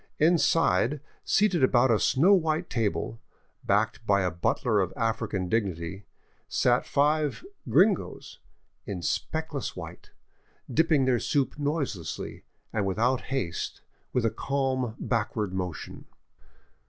Inside, seated about a snow white table, backed by a butler of African dignity, sat five " gringos " in speckless white, dipping their soup noiselessly and without haste with a calm backward motion.